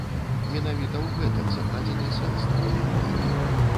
Менавіта ў гэтым закладзены сэнс дакумента.